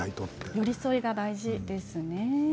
寄り添いが大事ですね。